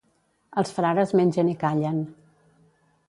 Els frares mengen i callen.